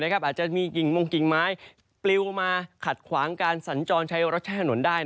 อาจจะมีกิ่งมงกิ่งไม้ปลิวมาขัดขวางการสัญจรใช้รถใช้ถนนได้